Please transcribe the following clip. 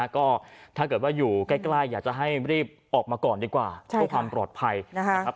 ก็ถ้าเกิดว่าอยู่ใกล้อยากจะให้รีบออกมาก่อนดีกว่าเพื่อความปลอดภัยนะครับ